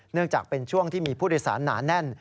จากเป็นช่วงที่มีผู้โดยสารหนาแน่น